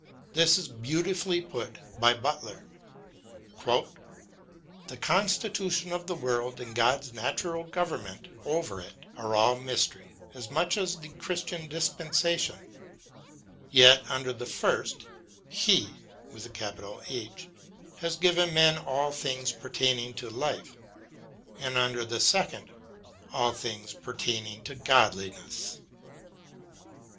This is beautifully put by Butler : The conttitution of the world and God's natural government over it are all mystery, as much as the Christian Dispensation, yet under the first He has given men all things pertaining to life, and under the second all things appertaining to godliness.